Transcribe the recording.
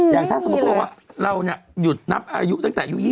อย่างถ้าสมมติว่าเราหยุดนับอายุตั้งแต่อายุ๒๕เนอะ